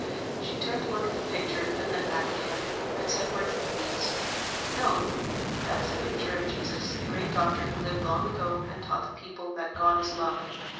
She turned to look at the picture and then back at him, and said words like these: "No, that is the picture of Jesus, the great Doctor who lived long ago and taught the people that God is Love.